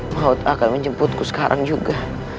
maut akan menjemputku sekarang juga